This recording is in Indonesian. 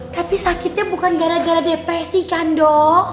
tapi sakitnya bukan gara gara depresi kan dok